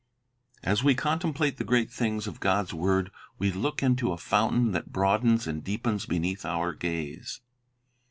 As we contemplate the great things of God's word, we look into a fountain that broadens and deepens beneath our gaze.